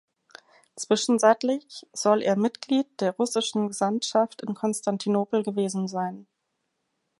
Zwischenzeitlich soll er Mitglied der russischen Gesandtschaft in Konstantinopel gewesen sein.